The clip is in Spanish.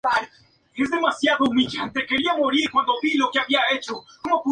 La isla es conocida por su colonia de aves marinas y sus monumentos prehistóricos.